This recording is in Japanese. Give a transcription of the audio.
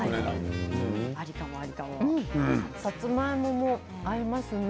さつまいもも合いますね。